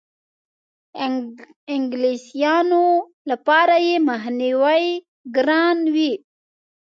انګلیسیانو لپاره یې مخنیوی ګران وي.